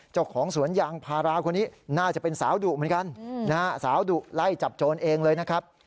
เจ้าของสวนยางพาราคนนี้น่าจะเป็นสาวดุเหมือนกันนะฮะสาวดุไล่จับโจรเองเลยนะครับ